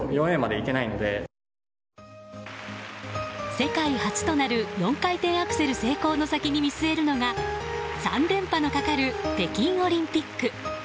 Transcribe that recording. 世界初となる４回転アクセル成功の先に見据えるのが３連覇のかかる北京オリンピック。